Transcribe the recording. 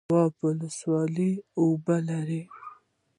دواب ولسوالۍ اوبه لري؟